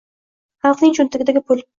Xalqning cho‘ntagidagi pul!